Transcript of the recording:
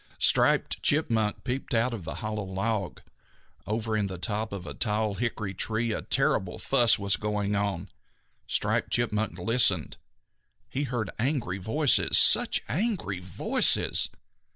Striped Chipmunk peeped out of the hollow log. Over in the top of a tall hickory tree a terrible fuss was going on. Striped Chipmunk listened. He heard angry voices, such angry voices!